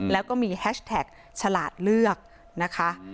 แล้วก็มีแฮชแท็กฉลาดเลือกนะคะ